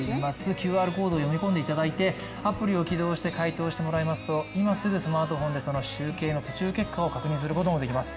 ＱＲコードを読み込んでいただきましてアプリを起動して回答してもらいますと今すぐスマートフォンでその集計の途中結果を確認できます。